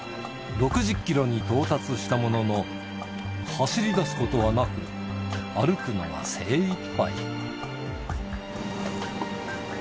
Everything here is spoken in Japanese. ６０キロに到達したものの、走りだすことはなく、歩くのが精いっぱい。